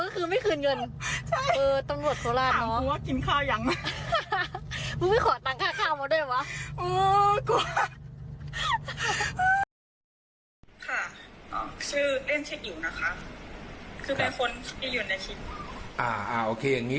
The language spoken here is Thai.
เค้าไม่เห็นนมเมื่อคืนไม่คืนเงิน